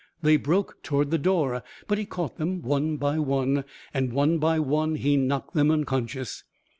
They broke toward the door, but he caught them one by one and one by one he knocked them unconscious.